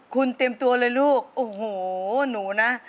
คุณเตรียมตัวเลยลูกโอ้โหหนูนะ